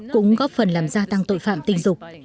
cũng góp phần làm gia tăng tội phạm tình dục